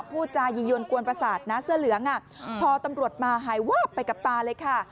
พูดจายียวนกวนประสาทนะเสื้อเหลืองพอตำรวจมาหายวาบไปกับตาเลยค่ะ